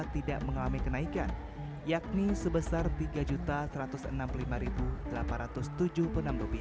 tidak mengalami kenaikan yakni sebesar rp tiga satu ratus enam puluh lima delapan ratus tujuh puluh enam